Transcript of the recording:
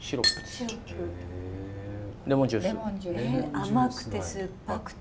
甘くて酸っぱくて。